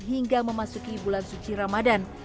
hingga memasuki bulan suci ramadan